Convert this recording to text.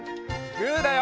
グーだよ！